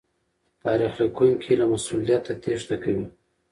تاريخ ليکونکي له مسوليته تېښته کوي.